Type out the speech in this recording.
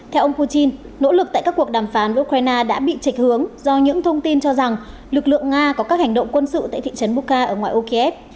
theo ông putin nỗ lực tại các cuộc đàm phán với ukraine đã bị trạch hướng do những thông tin cho rằng lực lượng nga có các hành động quân sự tại thị trấn bukha ở ngoài ukraine